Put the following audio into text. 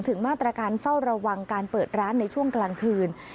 ถึงมาตรการเฝ้าระวังการเปิดร้านในช่วงกลางคืน